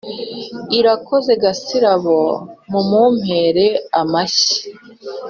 irakoze gasirabo, mumumpere amashyi.